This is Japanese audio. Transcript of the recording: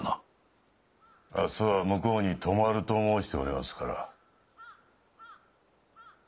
明日は向こうに泊まると申しておりますから。